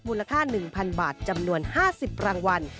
มูลค่า๑๐๐๐บาทจำนวน๕๐รางวัล